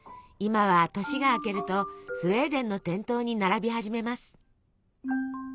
今は年が明けるとスウェーデンの店頭に並び始めます。